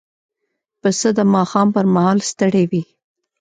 پسه د ماښام پر مهال ستړی وي.